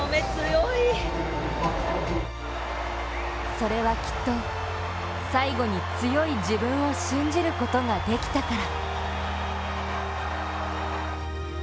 それはきっと、最後に強い自分を信じることができたから。